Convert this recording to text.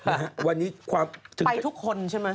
นะฮะวันนี้ความถึงใจทุกคนใช่ไหม